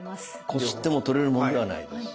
こすっても取れるものではないです